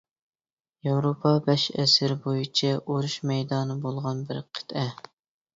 ياۋروپا بەش ئەسىر بويىچە ئۇرۇش مەيدانى بولغان بىر قىتئە.